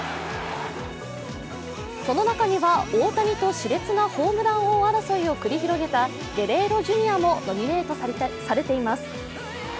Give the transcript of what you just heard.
その中には、大谷としれつなホームラン王争いを繰り広げたゲレーロ・ジュニアもノミネートされています。